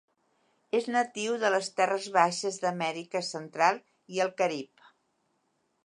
És natiu de les terres baixes d'Amèrica central i el Carib.